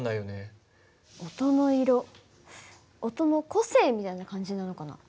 音の色音の個性みたいな感じなのかな？